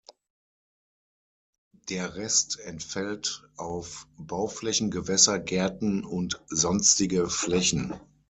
Der Rest entfällt auf Bauflächen, Gewässer, Gärten und sonstige Flächen.